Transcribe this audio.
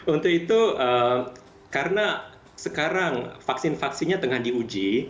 untuk itu karena sekarang vaksin vaksinnya tengah diuji